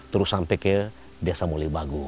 terus sampai ke desa muli bagu